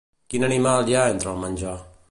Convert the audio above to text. Quin animal hi ha entre el menjar?